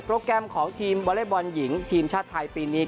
แกรมของทีมวอเล็กบอลหญิงทีมชาติไทยปีนี้